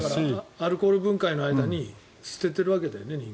アルコール分解の間に捨てているわけだよね。